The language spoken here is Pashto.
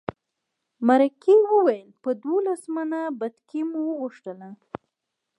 مرکې وویل په دولس منه بتکۍ مو وغوښتله.